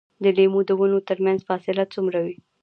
د لیمو د ونو ترمنځ فاصله څومره وي؟